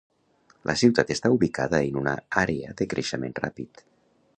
La ciutat està ubicada en una àrea de creixement ràpid.